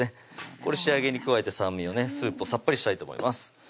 これ仕上げに加えて酸味をねスープをさっぱりしたいと思います